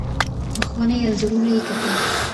پخواني انځورونه یې کتل.